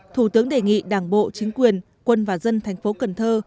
thủ tướng đề nghị đảng bộ chính quyền quân và dân thành phố cần thơ